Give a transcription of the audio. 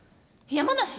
山梨！？